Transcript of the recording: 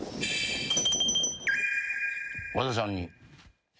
和田さんに。